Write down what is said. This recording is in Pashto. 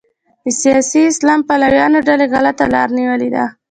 د سیاسي اسلام پلویانو ډلې غلطه لاره نیولې ده.